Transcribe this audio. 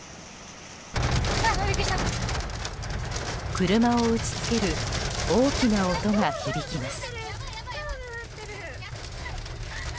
車を打ち付ける大きな音が響きます。